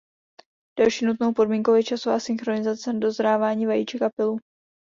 Další nutnou podmínkou je časová synchronizace dozrávání vajíček a pylu.